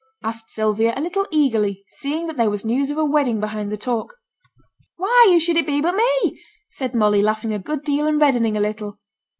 asked Sylvia, a little eagerly, seeing that there was news of a wedding behind the talk. 'Why! who should it be but me?' said Molly, laughing a good deal, and reddening a little.